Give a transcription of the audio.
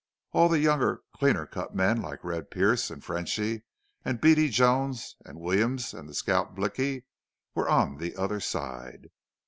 All the younger, cleaner cut men like Red Pearce and Frenchy and Beady Jones and Williams and the scout Blicky, were on the other side.